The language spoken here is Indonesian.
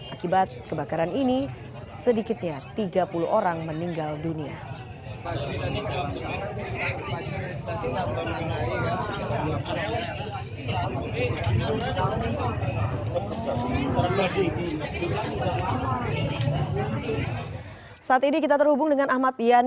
akibat kebakaran ini sedikitnya tiga puluh orang meninggal dunia